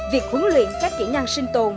việc huấn luyện các kỹ năng sinh tồn